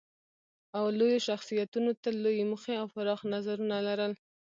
لویو شخصیتونو تل لویې موخې او پراخ نظرونه لرل.